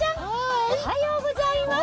おはようございます。